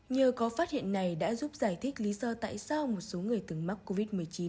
nhờ có phát hiện này đã giúp giải thích lý do tại sao một số người từng mắc covid một mươi chín